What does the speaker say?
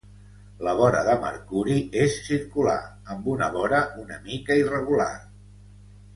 La vora de Mercuri és circular, amb una vora una mica irregular.